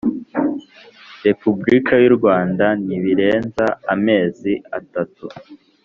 Repubulika y u Rwanda ntibirenza amezi atatu